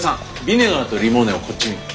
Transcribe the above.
ビネガーとリモーネをこっちに。